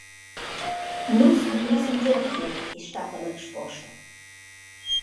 «Nus nu gnissan giò d’via», es statta la resposta.